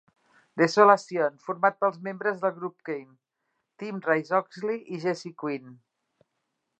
Desolation, format pels membres del grup Keane: Tim Rice-Oxley i Jesse Quin.